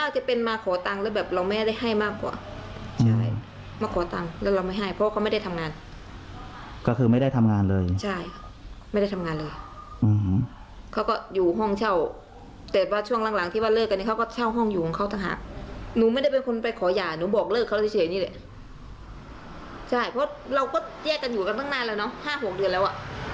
ใช่เพราะเราก็แยกกันอยู่กันตั้งนานแล้วเนอะ๕๖เดือนแล้วอ่ะ